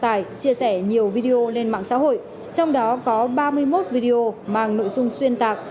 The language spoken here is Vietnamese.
nguyễn văn nghiêm đã đăng tải chia sẻ nhiều video lên mạng xã hội trong đó có ba mươi một video mang nội dung xuyên tạc